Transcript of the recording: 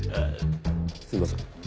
すいません。